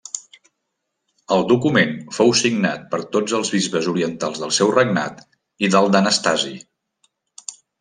El document fou signat per tots els bisbes orientals del seu regnat i del d'Anastasi.